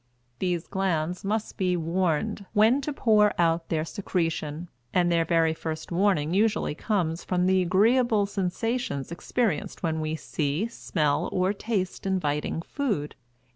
These glands must be warned when to pour out their secretion, and their very first warning usually comes from the agreeable sensations experienced when we see, smell, or taste inviting food.